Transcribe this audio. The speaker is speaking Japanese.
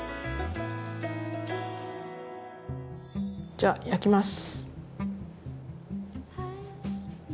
じゃあ焼きます。